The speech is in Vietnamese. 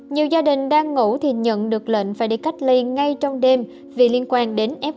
nhiều gia đình đang ngủ thì nhận được lệnh phải đi cách ly ngay trong đêm vì liên quan đến f một